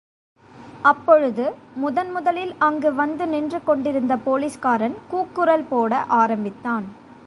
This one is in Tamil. அப்பொழுது முதன் முதலில் அங்கு வந்து நின்று கொண்டிருந்த போலீஸ்காரன் கூக்குரல் போட ஆரம்பித்தான்.